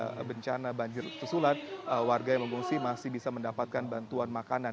karena bencana banjir susulan warga yang mengungsi masih bisa mendapatkan bantuan makanan